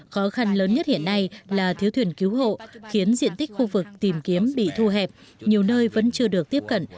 khó khăn lớn nhất hiện nay là thiếu thuyền cứu hộ khiến diện tích khu vực tìm kiếm bị thu hẹp nhiều nơi vẫn chưa được tiếp cận